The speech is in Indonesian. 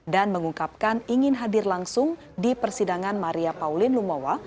dan mengungkapkan ingin hadir langsung di persidangan maria pauline lumowa